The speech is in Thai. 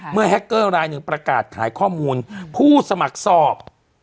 แฮคเกอร์รายหนึ่งประกาศขายข้อมูลผู้สมัครสอบ